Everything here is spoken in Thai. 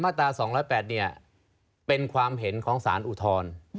มาตร๘๐๘เนี่ยเป็นความเห็นของสารอุทธรณส์